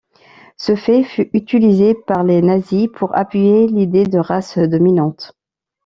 Ce fait fut utilisé par les nazis pour appuyer l'idée de races dominantes.